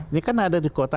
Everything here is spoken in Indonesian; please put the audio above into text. dia kan ada di kota